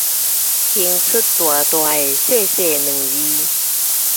拼出大大的謝謝兩字